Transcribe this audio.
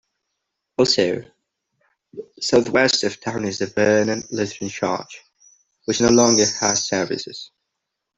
Also, southwest of town is the Vernon Lutheran Church, which no longer has services.